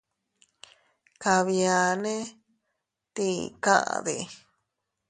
Kabianne, ¿tii kaʼde?.